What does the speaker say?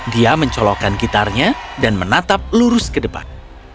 dia mencolokkan gitarnya dan menatap lurus ke depan